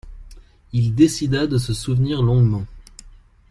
Il décida de se souvenir longuement.